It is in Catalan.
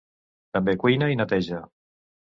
També cuina i neteja.